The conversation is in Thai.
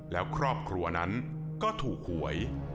แล้วครอบครัวนั้นก็ถูกหวย